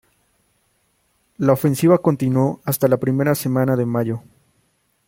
La ofensiva continuó hasta la primera semana de mayo.